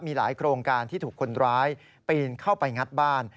มีหลายโครงการที่ถูกคนร้ายปีนเข้าไปงัดบ้าน